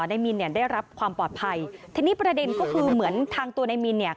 นายมินเนี่ยได้รับความปลอดภัยทีนี้ประเด็นก็คือเหมือนทางตัวนายมินเนี่ย